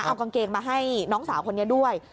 เอากางเกงมาให้น้องสาวคนนี้ด้วย